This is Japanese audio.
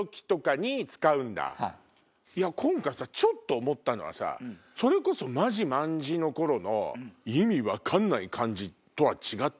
今回ちょっと思ったのはさそれこそ「マジ卍」の頃の意味分かんない感じとは。